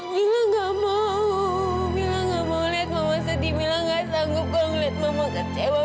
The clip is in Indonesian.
mila nggak mau mila nggak mau lihat mama sedih mila nggak sanggup kalau lihat mama kecewa